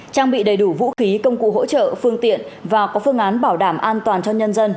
trang bị đầy đủ vũ khí công cụ hỗ trợ phương tiện và có phương án bảo đảm an toàn cho nhân dân